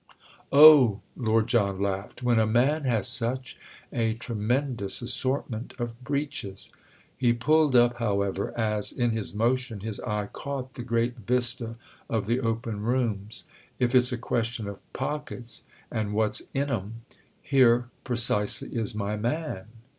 "Oh," Lord John laughed, "when a man has such a tremendous assortment of breeches—!" He pulled up, however, as, in his motion, his eye caught the great vista of the open rooms. "If it's a question of pockets—and what's in 'em—here precisely is my man!"